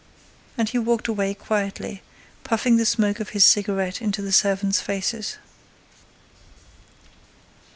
And he walked away quietly, puffing the smoke of his cigarette into the servants' faces.